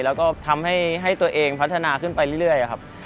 แล้วก็ทำให้ตัวเองพัฒนาขึ้นไปเรื่อยครับ